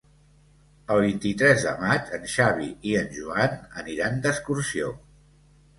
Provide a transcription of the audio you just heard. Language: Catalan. El vint-i-tres de maig en Xavi i en Joan aniran d'excursió.